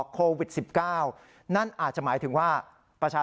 โปรดติดตามตอนต่อไป